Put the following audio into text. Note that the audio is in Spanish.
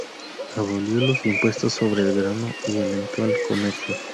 Abolió los impuestos sobre el grano y alentó el comercio.